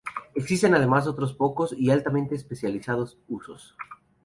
Existen además otros pocos, y altamente especializados, usos.